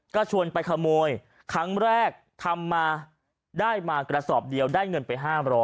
ก็ชวนไปขโมยครั้งแรกทำมาได้มากระสอบเดียวได้เงินไป๕๐๐